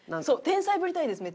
天才ぶりたいです